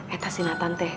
eta si natan teh